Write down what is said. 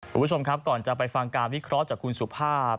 คุณผู้ชมครับก่อนจะไปฟังการวิเคราะห์จากคุณสุภาพ